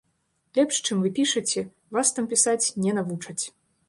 Лепш, чым вы пішаце, вас там пісаць не навучаць.